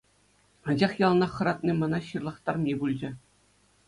Анчах яланах хӑратни мана ҫырлахтарми пулчӗ.